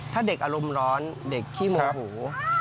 ถ้าเด็กอารมณ์ร้อนเด็กขี้โมโห